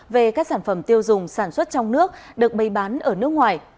về các sản phẩm tiêu dùng sản xuất trong nước được bày bán ở nước ngoài